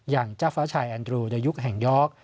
อย่างเจ้าฟ้าชายแอนดรูในยุคแห่งยอร์ก